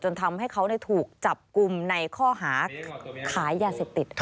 ทำให้เขาถูกจับกลุ่มในข้อหาขายยาเสพติด